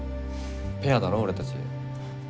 ペアだろ俺たち。